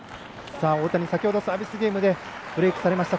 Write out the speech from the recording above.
大谷、先ほどサービスゲームでブレークされました。